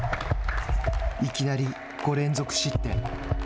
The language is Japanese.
いきなり５連続失点。